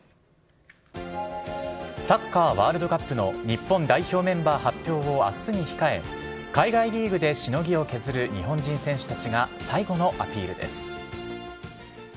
サッカーワールドカップの日本代表メンバー発表をあすに控え、海外リーグでしのぎを削る日本人選手たちが、最後のアピールです。